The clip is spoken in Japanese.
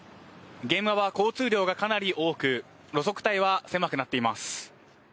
現場は交通量がかなり多く路側帯は狭くなっています。